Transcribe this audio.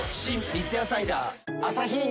三ツ矢サイダー』